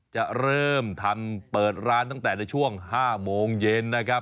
จะเริ่มทำเปิดร้านตั้งแต่ในช่วง๕โมงเย็นนะครับ